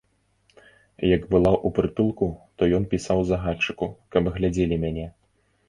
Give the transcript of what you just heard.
Як была ў прытулку, то ён пісаў загадчыку, каб глядзелі мяне.